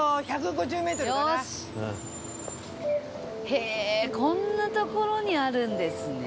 へえこんな所にあるんですね。